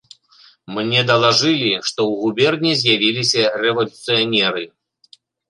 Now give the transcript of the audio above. Мне далажылі, што ў губерні з'явіліся рэвалюцыянеры.